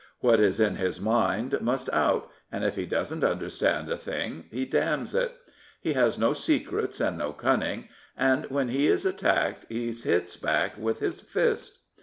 What is in his mind must out, and if he doesn't understand a thing he damns it. He has no secrets and no cunning, and when he is attacked he hits back with *K 293 Prophets, Priests, and Kings his fist.